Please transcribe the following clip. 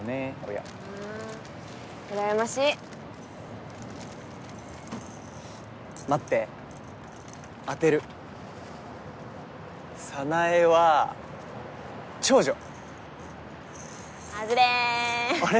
親ふん羨ましい待って当てる早苗は長女外れあれ？